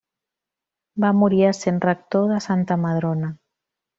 Va morir essent rector de Santa Madrona.